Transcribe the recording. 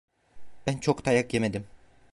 Ben çok dayak yemedim.